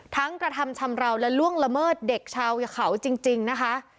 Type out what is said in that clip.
กระทำชำราวและล่วงละเมิดเด็กชาวเขาจริงนะคะ